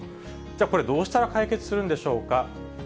じゃあこれどうしたら解決するんでしょうか。